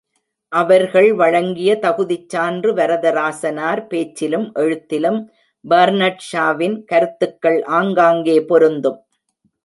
அவர்கள் வழங்கிய தகுதிச் சான்று வரதராசனார் பேச்சிலும் எழுத்திலும் பர்னாட்ஷாவின் கருத்துக்கள் ஆங்காங்கே பொருந்தும்.